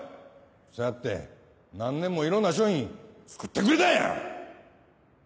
そうやって何年もいろんな商品作ってくれたんや！